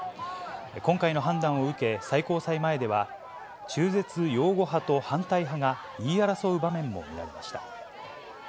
今回の判断を受け、最高裁前では、中絶擁護派と反対派が言い争う場面も見られました。